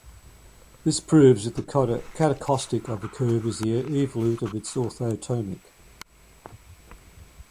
This proves that the catacaustic of a curve is the evolute of its orthotomic.